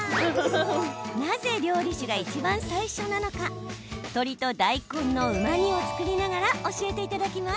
なぜ料理酒がいちばん最初なのか鶏と大根のうま煮を作りながら教えていただきます。